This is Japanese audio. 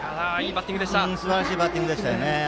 すばらしいバッティングでしたね。